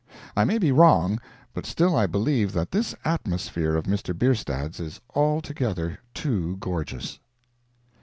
I may be wrong, but still I believe that this atmosphere of Mr. Bierstadt's is altogether too gorgeous.